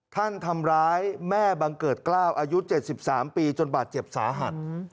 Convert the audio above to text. ทำร้ายแม่บังเกิดกล้าวอายุ๗๓ปีจนบาดเจ็บสาหัส